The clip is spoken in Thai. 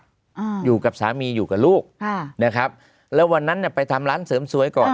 อ่าอยู่กับสามีอยู่กับลูกค่ะนะครับแล้ววันนั้นน่ะไปทำร้านเสริมสวยก่อน